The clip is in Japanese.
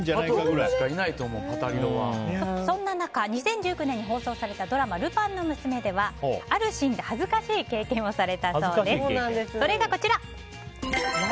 そんな中、２０１９年に放送されたドラマ「ルパンの娘」ではあるシーンで恥ずかしい経験をされたそうです。